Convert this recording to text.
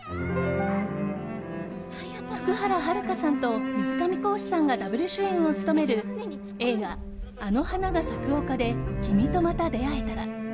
福原遥さんと水上恒司さんがダブル主演を務める映画「あの花が咲く丘で、君とまた出会えたら。」